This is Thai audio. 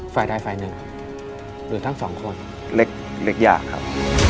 ฝ่ายใดฝ่ายหนึ่งหรือทั้งสองคนเล็กอยากครับ